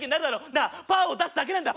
なあパーを出すだけなんだ！